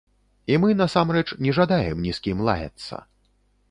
І мы насамрэч не жадаем ні з кім лаяцца.